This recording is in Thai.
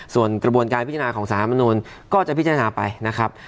ส่วนกระบวนการพิจารณาของสารมนุนก็จะพิจารณาไปนะครับ